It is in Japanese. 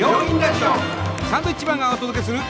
サンドウィッチマンがお届けする。